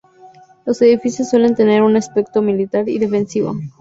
Los edificios suelen tener un aspecto militar y defensivo.